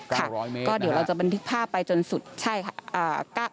เก้าร้อยเมตรนะฮะก็เดี๋ยวเราจะบันทึกภาพไปจนสุดใช่ค่ะอ่า